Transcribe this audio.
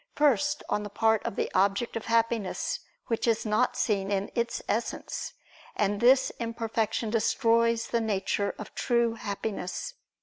First, on the part of the object of Happiness, which is not seen in Its Essence: and this imperfection destroys the nature of true Happiness.